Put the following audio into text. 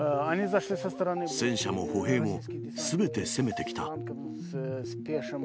戦車も歩兵もすべて攻めてきた。